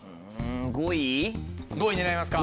５位狙いますか？